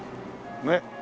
ねっ。